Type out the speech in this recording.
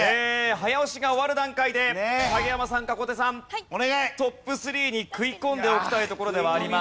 早押しが終わる段階で影山さんか小手さんトップ３に食い込んでおきたいところではあります。